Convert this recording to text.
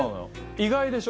意外でしょ？